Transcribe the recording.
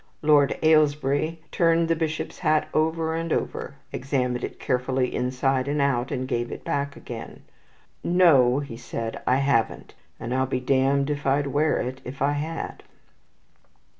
Lord Ailesbury turned the bishop's hat over and over, examined it carefully inside and out, and gave it back again. "No," he said, "I haven't, and I'll be damned if I'd wear it, if I had."